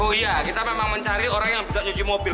oh iya kita memang mencari orang yang bisa nyuci mobil